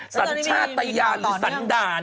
สัญชาติยานหรือสันดาล